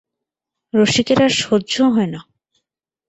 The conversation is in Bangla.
রসিকের আর সহ্য হয় না।